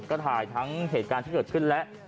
ก็ถ่ายทั้งเหตุการณ์ที่เกิดขึ้นแล้ว